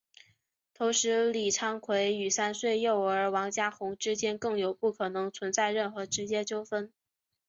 同时李昌奎与三岁幼儿王家红之间更不可能存在任何直接纠纷。